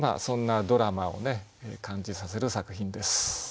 そんなドラマを感じさせる作品です。